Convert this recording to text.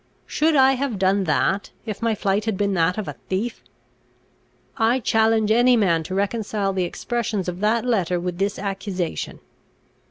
Should I have done that if my flight had been that of a thief? I challenge any man to reconcile the expressions of that letter with this accusation.